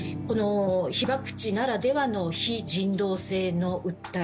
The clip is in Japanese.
被爆地ならではの非人道性の訴え